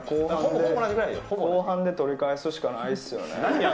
後半で取り返すしかないですよね。